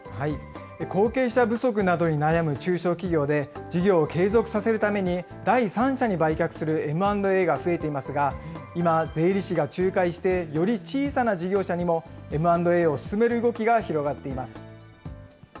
後継者不足などに悩む中小企業で、事業を継続させるために第三者に売却するＭ＆Ａが増えていますが、今、税理士が仲介して、より小さな事業者にもＭ＆Ａを進める動きが広がっています。